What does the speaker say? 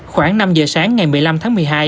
khoảng năm giờ sáng ngày một mươi năm tháng một mươi hai